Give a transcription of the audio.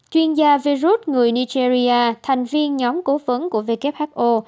chuyên gia virus người nigeria thành viên nhóm cố vấn của who